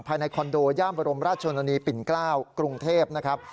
ภายในคอนโดย่ามบรมราชชนนีปิ่นเกล้ากรุงเทพนะครับ